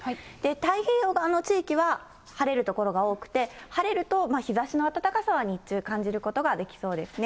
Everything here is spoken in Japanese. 太平洋側の地域は晴れる所が多くて、晴れると日ざしの暖かさは日中、感じることはできそうですね。